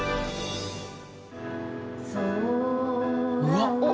うわっ！